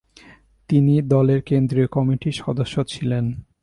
তিনি দলের কেন্দ্রীয় কমিটির সদস্য ছিলেন।